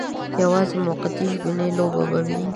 یوازې موقتي ژبنۍ لوبه به وي.